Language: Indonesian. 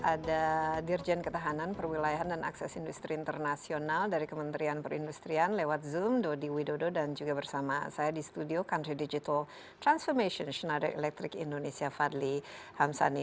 ada dirjen ketahanan perwilayahan dan akses industri internasional dari kementerian perindustrian lewat zoom dodi widodo dan juga bersama saya di studio country digital transformation schneider electric indonesia fadli hamsani